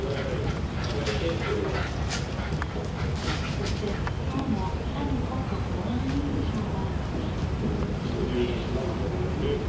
そして当の谷国家公安委員長は。